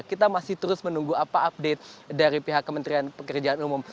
kita masih terus menunggu apa update dari pihak kementerian pekerjaan umum